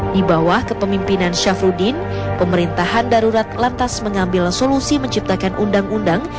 di bawah kepemimpinan syafruddin pemerintahan darurat lantas mengambil solusi menciptakan undang undang